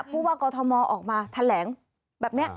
พูดว่ากอทมออกมาทันแหลงแบบนี้